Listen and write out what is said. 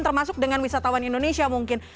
termasuk dengan wisatawan indonesia mungkin